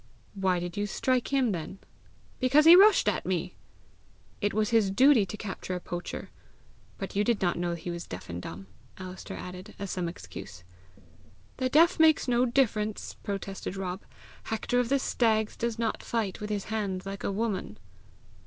"Why did you strike him then?" "Because he rushed at me." "It was his duty to capture a poacher! But you did not know he was deaf and dumb!" Alister added, as some excuse. "The deaf makes no difference!" protested Rob. "Hector of the Stags does not fight with his hands like a woman!"